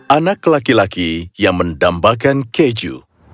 anak laki laki yang mendambakan keju